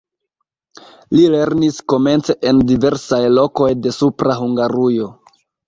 Li lernis komence en diversaj lokoj de Supra Hungarujo.